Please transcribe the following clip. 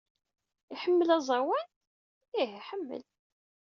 Iḥemmel aẓawan? Ih, iḥemmel.